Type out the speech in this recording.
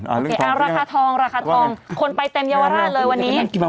อาร์ณราคาทองคนไปเต็มยาวราชเลยวันนี้